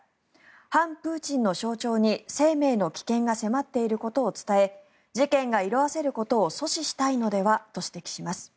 反プーチンの象徴に生命の危険が迫っていることを伝え事件が色あせることを阻止したいのではと指摘します。